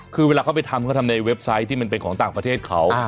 คือเวลาเขาไปทำเขาทำในเว็บไซต์ที่มันเป็นของต่างประเทศเขา